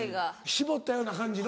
絞ったような感じの。